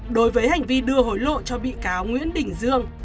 đối với hành vi đưa hối lộ cho bị cáo nguyễn đình dương